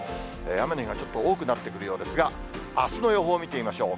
雨の日がちょっと多くなってくるようですが、あすの予報を見てみましょう。